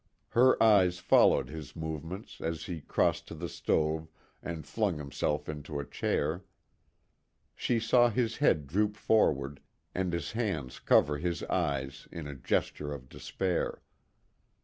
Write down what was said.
Her eyes followed his movements as he crossed to the stove and flung himself into a chair. She saw his head droop forward, and his hands cover his eyes in a gesture of despair.